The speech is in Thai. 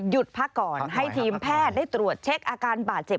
พักก่อนให้ทีมแพทย์ได้ตรวจเช็คอาการบาดเจ็บ